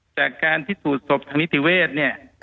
จากการพิสูจน์ศพทางนิติเวศเนี่ย